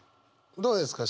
どうですか？